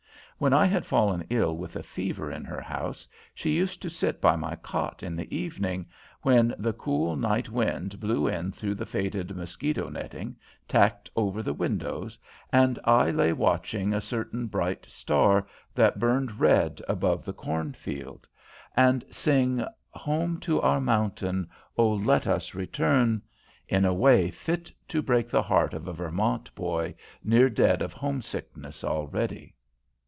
When I had fallen ill with a fever in her house she used to sit by my cot in the evening when the cool, night wind blew in through the faded mosquito netting tacked over the window and I lay watching a certain bright star that burned red above the cornfield and sing "Home to our mountains, O, let us return!" in a way fit to break the heart of a Vermont boy near dead of homesickness already.